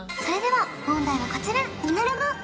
それでは問題はこちら！